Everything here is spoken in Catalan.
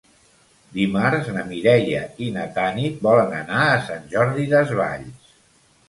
Dimarts na Mireia i na Tanit volen anar a Sant Jordi Desvalls.